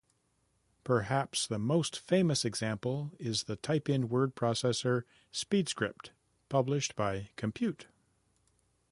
Perhaps the most famous example is the type-in word processor "SpeedScript", published by "Compute!